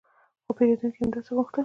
خو پیرودونکي همداسې غوښتل